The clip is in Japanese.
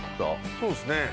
そうですね。